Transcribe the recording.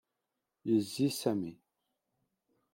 Yezzi Sami.